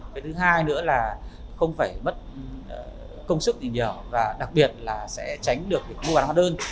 cái thứ hai nữa là không phải mất công sức gì nhiều và đặc biệt là sẽ tránh được việc mua bán hóa đơn